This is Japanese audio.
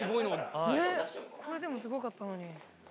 これでもすごかったのに。